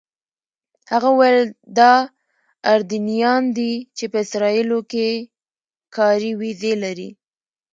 هغه وویل دا اردنیان دي چې په اسرائیلو کې کاري ویزې لري.